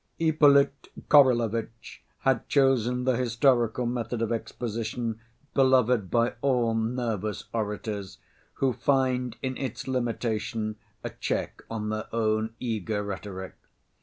Ippolit Kirillovitch had chosen the historical method of exposition, beloved by all nervous orators, who find in its limitation a check on their own eager rhetoric.